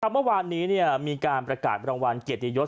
เมื่อวานนี้มีการประกาศรางวัลเกียรติยศ